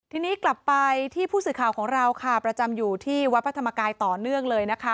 ทีนี้กลับไปที่ผู้สื่อข่าวของเราค่ะประจำอยู่ที่วัดพระธรรมกายต่อเนื่องเลยนะคะ